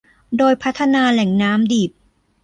โดยพัฒนาแหล่งน้ำดิบ